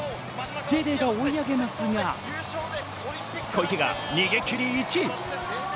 デーデーが追い上げますが小池が逃げ切り、１位。